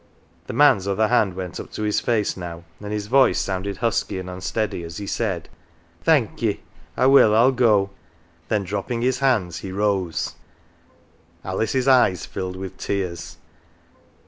The man's other hand went up to his face now, and his voice sounded husky and unsteady as he said :'" Thank ye, I will I'll go." Then dropping his hands, Jie rose. Alice's eyes filled with tears.